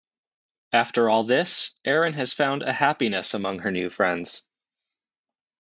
After all this, Erin has found a happiness among her new friends.